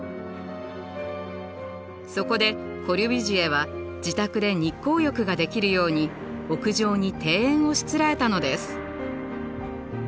そこでコルビュジエは自宅で日光浴ができるように屋上に庭園をしつらえたのです。